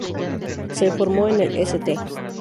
Se formó en el "St.